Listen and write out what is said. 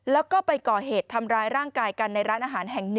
แล้วก็ไปก่อเหตุทำร้ายร่างกายกันในร้านอาหารแห่ง๑